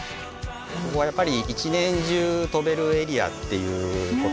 ここはやっぱり一年中飛べるエリアっていうこと。